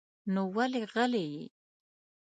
نو ولې غلی يې؟